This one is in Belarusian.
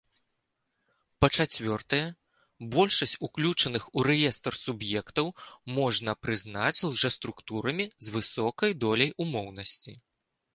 Па-чацвёртае, большасць уключаных у рэестр суб'ектаў можна прызнаць лжэструктурамі з высокай доляй умоўнасці.